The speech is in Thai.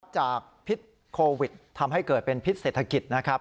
พิษโควิดทำให้เกิดเป็นพิษเศรษฐกิจนะครับ